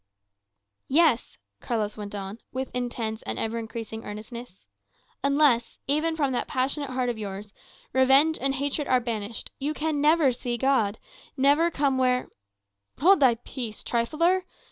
"Yes," Carlos went on, with intense and ever increasing earnestness; "unless, even from that passionate heart of yours, revenge and hatred are banished, you can never see God, never come where " "Hold thy peace, trifler!"